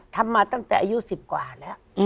ทำมาตั้งแต่อายุ๑๐กว่าแล้ว